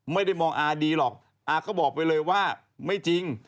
ไม่ได้มองอาดีหรอกอาก็บอกไปเลยว่าไม่จริง